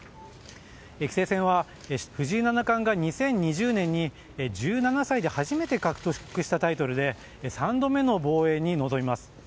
棋聖戦は藤井七冠が２０２０年に１７歳で初めて獲得したタイトルで３度目の防衛に臨みます。